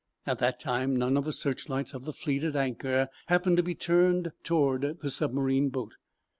At that time none of the searchlights of the fleet at anchor happened to be turned toward the submarine boat.